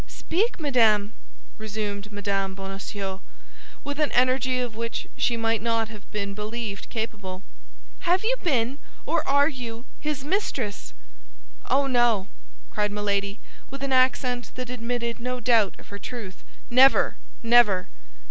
"Speak, madame!" resumed Mme. Bonacieux, with an energy of which she might not have been believed capable. "Have you been, or are you, his mistress?" "Oh, no!" cried Milady, with an accent that admitted no doubt of her truth. "Never, never!"